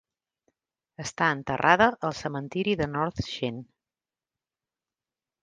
Està enterrada al cementiri de North Sheen.